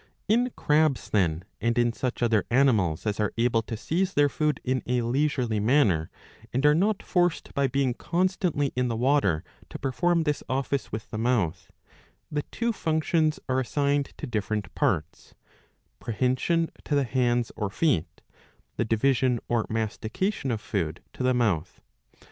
In crabs, then, and in such other animals as are able to seize their food in a leisurely manner, and are not forced by being constantly in the water to perform this office with the mouth,^^ the two functions are assigned to different parts, prehension to the hands or feet, the division or mastication of food to the mouth.